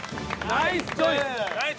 ナイスチョイス！